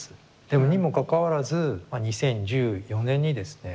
でもにもかかわらず２０１４年にですね